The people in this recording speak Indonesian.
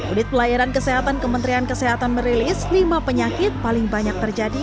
unit pelayanan kesehatan kementerian kesehatan merilis lima penyakit paling banyak terjadi